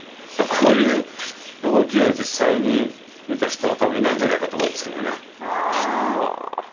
こういう動きを実際に見た人は多分いないんじゃないかと思うんですけどね。